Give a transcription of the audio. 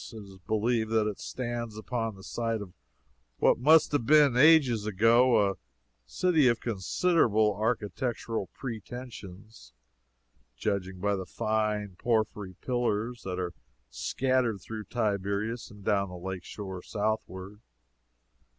It is believed that it stands upon the site of what must have been, ages ago, a city of considerable architectural pretensions, judging by the fine porphyry pillars that are scattered through Tiberias and down the lake shore southward.